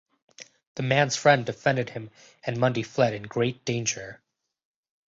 The man's friends defended him and Mundy fled "in great danger".